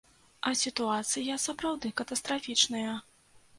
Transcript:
А сітуацыя сапраўды катастрафічная.